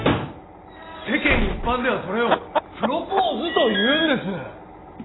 世間一般ではそれをプロポーズと言うんです。